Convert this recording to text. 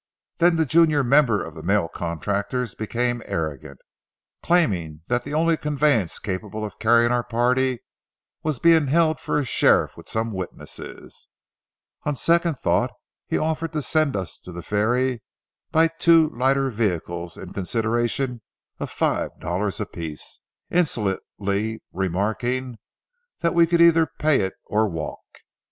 Then the junior member of the mail contractors became arrogant, claiming that the only conveyance capable of carrying our party was being held for a sheriff with some witnesses. On second thought he offered to send us to the ferry by two lighter vehicles in consideration of five dollars apiece, insolently remarking that we could either pay it or walk.